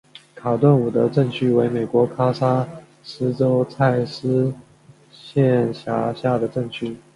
卡顿伍德镇区为美国堪萨斯州蔡斯县辖下的镇区。